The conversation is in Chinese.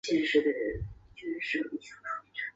鲫鱼藤是夹竹桃科鲫鱼藤属的植物。